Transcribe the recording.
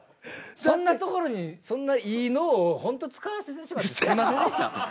そんなところにそんないい脳をほんと使わせてしまってすいませんでした。